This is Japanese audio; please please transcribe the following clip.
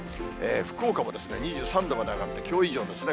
福岡も２３度まで上がって、きょう以上ですね。